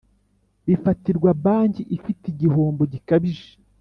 bifatirwa banki ifite igihombo gikabije